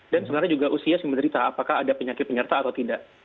dan sebenarnya juga usia simetrika apakah ada penyakit penyerta atau tidak